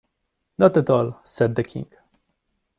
‘Not at all,’ said the King.